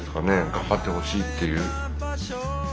頑張ってほしいっていう。